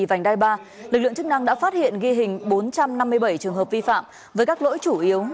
vành đai ba lực lượng chức năng đã phát hiện ghi hình bốn trăm năm mươi bảy trường hợp vi phạm với các lỗi chủ yếu